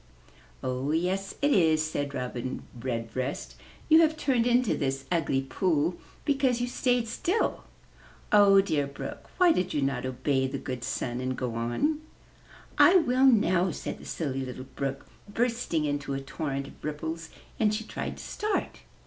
"Oh, yes it is," said Robin Redbreast. "You have turned into this ugly pool because you stayed still. Oh, dear Brook! Why did you not obey the good Sun and go on?" "I will now," said the Silly Little Brook, bursting into a torrent of ripples; and she tried to start.